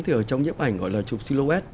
thì ở trong nhấp ảnh gọi là chụp silhouette